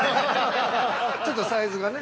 ◆ちょっとサイズがね。